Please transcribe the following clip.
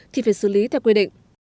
thì phải xử lý theo quy định